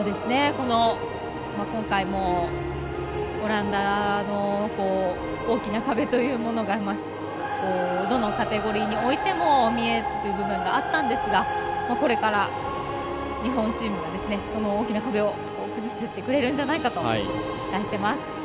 今回もオランダの大きな壁というものがどのカテゴリーにおいても見える部分があったんですがこれから、日本チームがその大きな壁を崩してってくれるのではないかと期待しています。